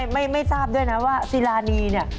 ไม่ทราบด้วยนะว่าซีรานีเนี่ย